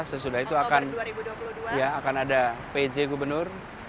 sesudah itu akan ada pj gubernur